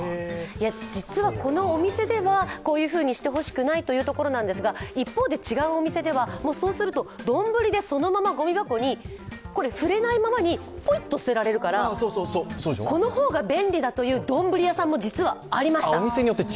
実はこのお店ではこういうふうにしてほしくないということなんですが一方で違うお店では丼でそのままごみ箱に触れないままにぽいっと捨てられるから、この方が便利だという丼屋さんも実はありました。